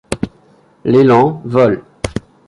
L'Élan, vol.